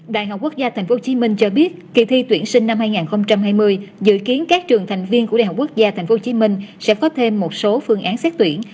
đại học quốc gia tp hcm cho biết kỳ thi tuyển sinh năm hai nghìn hai mươi dự kiến các trường thành viên của đại học quốc gia tp hcm sẽ có thêm một số phương án xét tuyển